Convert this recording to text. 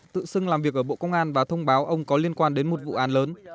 tự xưng làm việc ở bộ công an và thông báo ông có liên quan đến một vụ án lớn